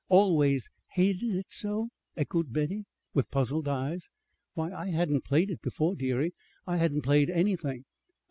"'Always hated it so'!" echoed Betty, with puzzled eyes. "Why, I hadn't played it before, dearie. I hadn't played anything!"